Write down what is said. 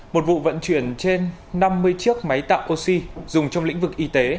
một vụ vận chuyển trên năm mươi chiếc máy tạo oxy dùng trong lĩnh vực y tế